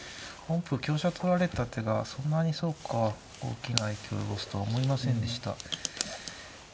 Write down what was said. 本譜香車取られた手がそんなにそうか大きな影響を及ぼすとは思いませんでした。